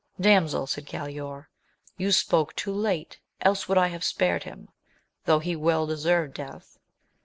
Damsel, said Galaor, you spoke too late, else would I have spared him, though he well deserved death.